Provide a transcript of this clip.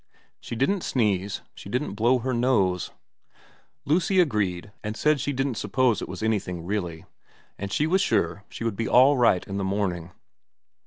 She didn't sneeze, she didn't blow her nose Lucy agreed, and said she didn't suppose it was anything really, and she was sure she would be all right in the morning.